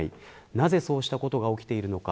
なぜそうしたことが起きているのか。